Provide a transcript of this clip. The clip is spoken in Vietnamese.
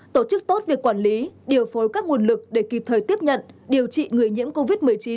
tổ chức tốt việc quản lý điều phối các nguồn lực để kịp thời tiếp nhận điều trị người nhiễm covid một mươi chín